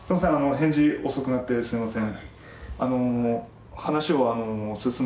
返事遅くなってすみません